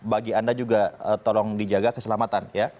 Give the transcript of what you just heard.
bagi anda juga tolong dijaga keselamatan